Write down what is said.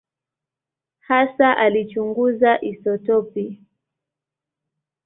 Hasa alichunguza isotopi.